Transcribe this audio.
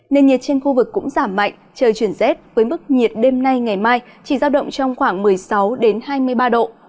nền nhiệt trên khu vực cũng giảm mạnh trời chuyển rét với mức nhiệt đêm nay ngày mai chỉ giao động trong khoảng một mươi sáu hai mươi ba độ